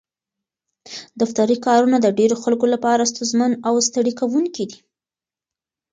دفتري کارونه د ډېرو خلکو لپاره ستونزمن او ستړي کوونکي دي.